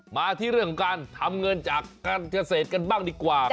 มาที่เรื่องของการทำเงินจากการเกษตรกันบ้างดีกว่า